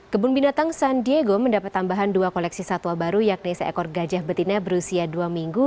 kebun binatang san diego mendapat tambahan dua koleksi satwa baru yakni seekor gajah betina berusia dua minggu